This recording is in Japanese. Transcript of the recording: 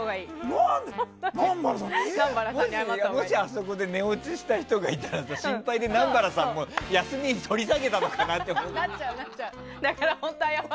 もし、あそこで寝落ちした人がいたらって心配で南原さんも休み取り下げたのかなってなっちゃう。